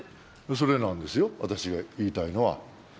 それなんですよ、私が言いたいのは。